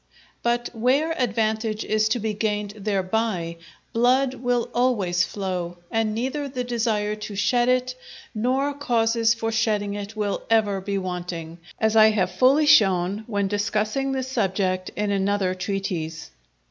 But where advantage is to be gained thereby, blood will always flow, and neither the desire to shed it, nor causes for shedding it will ever be wanting, as I have fully shown when discussing this subject in another treatise.